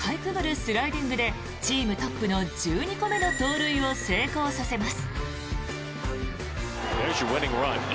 スライディングでチームトップの１２個目の盗塁を成功させます。